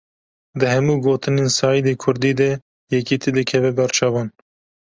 Di hemû gotinên Seîdê Kurdî de, yekitî dikeve ber çavan